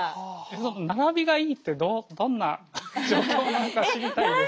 その並びがいいってどんな状況なのか知りたいです。